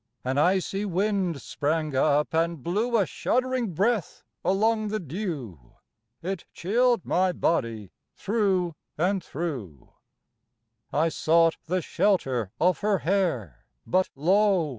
An icy wind sprang up, and blew A shuddering breath along the dew, It chilled my body thro' and thro'. I sought the shelter of her hair, But lo!